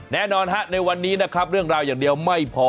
แน่นอนฮะในวันนี้นะครับเรื่องราวอย่างเดียวไม่พอ